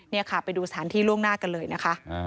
นี่ค่ะไปดูสถานที่ล่วงหน้ากันเลยนะคะ